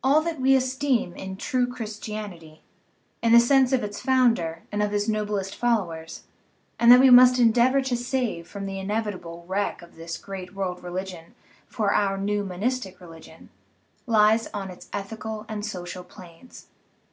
All that we esteem in true Christianity, in the sense of its founder and of his noblest followers, and that we must endeavor to save from the inevitable wreck of this great world religion for our new monistic religion, lies on its ethical and social planes.